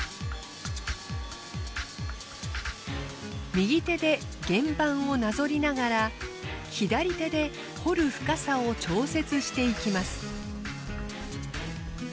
右手で原版をなぞりながら左手で彫る深さを調節していきます。